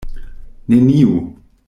Neniu.